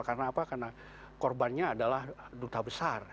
karena apa karena korbannya adalah duta besar